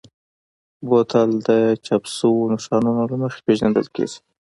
بوتل د چاپ شویو نښانونو له مخې پېژندل کېږي.